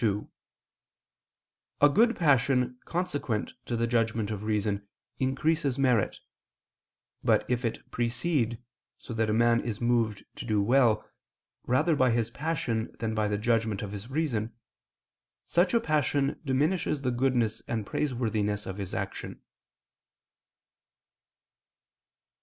2: A good passion consequent to the judgment of reason increases merit; but if it precede, so that a man is moved to do well, rather by his passion than by the judgment of his reason, such a passion diminishes the goodness and praiseworthiness of his action.